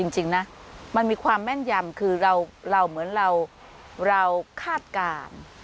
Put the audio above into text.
จริงนะมันมีความแม่นยำคือเราเหมือนเราคาดการณ์